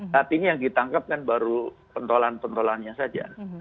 tapi ini yang ditangkap kan baru pentola pentolanya saja